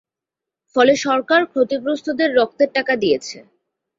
ফলে সরকার ক্ষতিগ্রস্তদের রক্তের টাকা দিয়েছে।